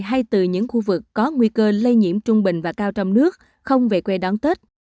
hay từ những khu vực có nguy cơ lây nhiễm trung bình và cao trong nước không về quê đón tết